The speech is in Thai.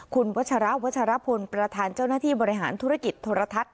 คุณวัชระวัชรพลประธานเจ้าหน้าที่บริหารธุรกิจโทรทัศน์